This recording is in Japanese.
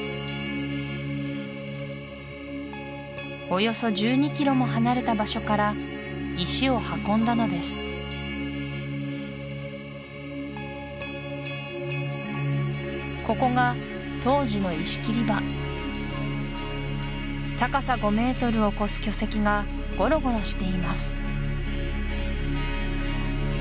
およそ１２ｋｍも離れた場所から石を運んだのですここが当時の石切場高さ５ｍを超す巨石がごろごろしています